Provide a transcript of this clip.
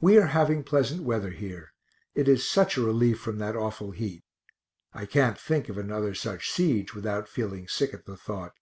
We are having pleasant weather here; it is such a relief from that awful heat (I can't think of another such siege without feeling sick at the thought).